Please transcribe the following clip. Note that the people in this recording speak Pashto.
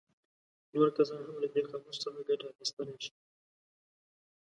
نور کسان هم له دې قاموس څخه ګټه اخیستلی شي.